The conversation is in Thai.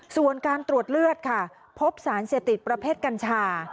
ส่วนการตรวจเลือดค่ะพบสารเสพติดประเภทกัญชา